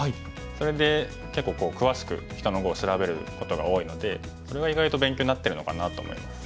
それで結構詳しく人の碁を調べることが多いのでそれが意外と勉強になってるのかなと思います。